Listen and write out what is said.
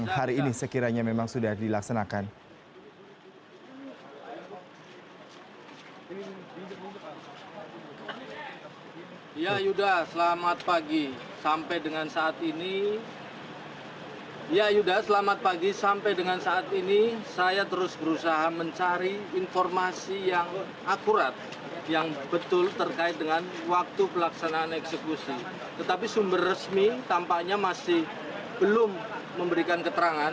hari ini sekiranya memang sudah dilaksanakan